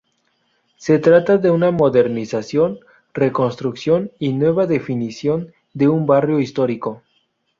Se trata de una modernización, reconstrucción y nueva definición de un barrio histórico.